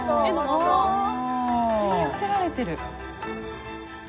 吸い寄せられてる。